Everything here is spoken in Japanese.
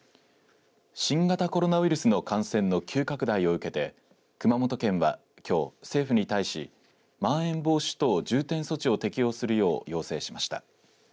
新型コロナウイルスの感染の急拡大を受けて熊本県は、きょう政府に対しまん延防止等重点措置を適用するよう要請しました。